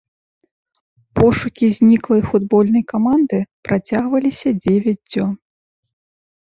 Пошукі зніклай футбольнай каманды працягваліся дзевяць дзён.